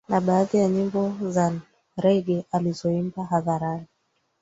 Na baadhi ya nyimbo za rege alizoimba hadharani